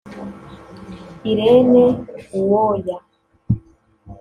Irene Uwoya